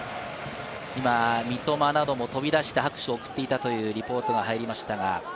今、三笘なども飛び出して、拍手を送っていたというリポートが入りました。